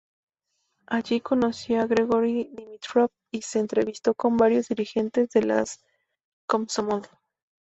Allí conoció a Georgi Dimitrov, y se entrevistó con varios dirigentes de las Komsomol.